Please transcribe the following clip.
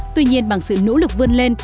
tuy nhiên bằng sự nỗ lực vươn lên